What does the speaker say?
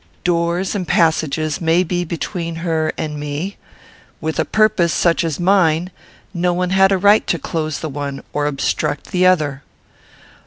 Doors and passages may be between her and me. With a purpose such as mine, no one had a right to close the one or obstruct the other.